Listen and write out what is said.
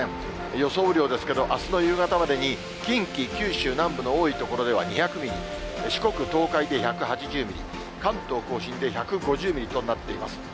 予想雨量ですけれども、あすの夕方までに近畿、九州南部の多い所では２００ミリ、四国、東海で１８０ミリ、関東甲信で１５０ミリとなっています。